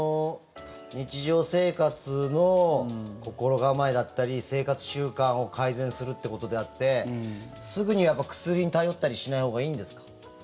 日常生活の心構えだったり生活習慣を改善するってことであってすぐに薬に頼ったりしないほうがいいんですか？